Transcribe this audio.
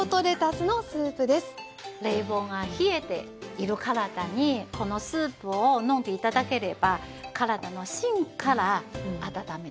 冷房が冷えている体にこのスープを飲んで頂ければ体の芯から温めてくれるんですよね。